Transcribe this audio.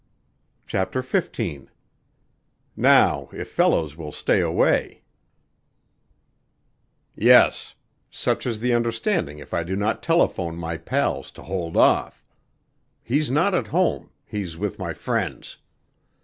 _" CHAPTER XV "Now, if Fellows will stay away" "Yes. Such is the understanding if I do not telephone my pals to hold off. He's not at home; he's with my friends.